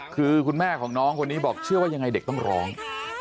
คือคุณแม่ของน้องคนนี้บอกเชื่อว่ายังไงเด็กต้องร้อง